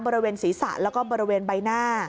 บริเวณศีรษะแล้วก็บริเวณใบหน้า